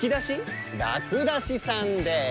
らくだしさんです！